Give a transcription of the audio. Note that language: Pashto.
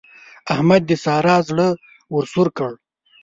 احمد د سارا زړه ور سوړ کړ.